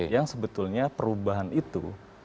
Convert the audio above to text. yang sebetulnya perubahan itu